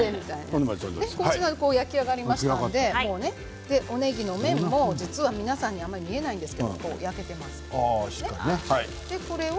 焼き上がりましたのでおねぎの面も実は皆さんに見えないんですけれども焼けています。